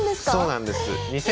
そうなんです。